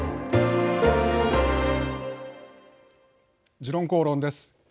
「時論公論」です。